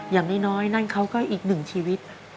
อย่างน้อยนั่นเขาก็อีกหนึ่งชีวิต